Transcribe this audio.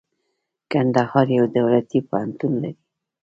کندهار يو دولتي پوهنتون لري.